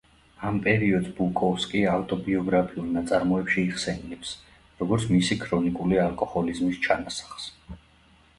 ამ პერიოდს ბუკოვსკი ავტობიოგრაფიულ ნაწარმოებში იხსენიებს, როგორც მისი ქრონიკული ალკოჰოლიზმის ჩანასახს.